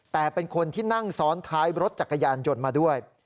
แต่เป็นคนที่นั่งซ้อนท้ายรถจักรยานยนต์มาด้วย